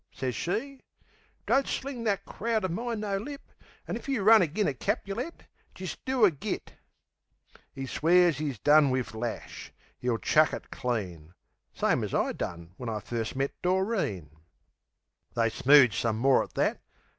Sez she: "Don't sling that crowd o' mine no lip; An' if you run agin a Capulet, Jist do a get." 'E swears 'e's done wiv lash; 'e'll chuck it clean. (Same as I done when I first met Doreen.) They smooge some more at that.